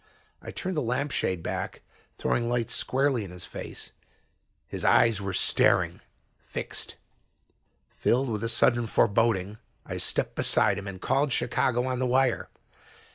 I turned the lamp shade back, throwing light squarely in his face. His eyes were staring, fixed. Filled with a sudden foreboding, I stepped beside him and called Chicago on the wire.